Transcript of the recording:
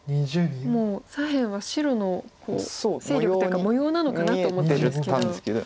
もう左辺は白の勢力というか模様なのかなと思ってたんですけど。